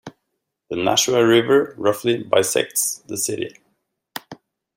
The Nashua River roughly bisects the city.